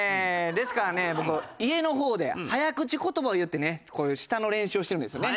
ですからね僕家の方で早口言葉を言ってねこういう舌の練習をしてるんですよね。